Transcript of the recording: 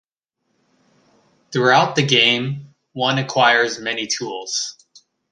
Throughout the game, one acquires many tools.